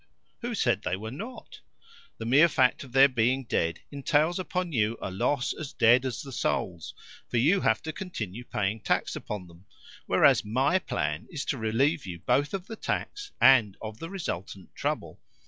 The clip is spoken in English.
"Who said they were not? The mere fact of their being dead entails upon you a loss as dead as the souls, for you have to continue paying tax upon them, whereas MY plan is to relieve you both of the tax and of the resultant trouble.